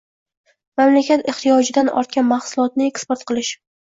mamlakat ehtiyojidan ortgan mahsulotni eksport qilish